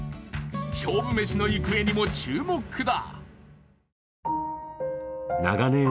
勝負メシの行方にも注目だ。